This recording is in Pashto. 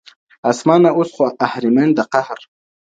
آسمانه اوس خو اهریمن د قهر.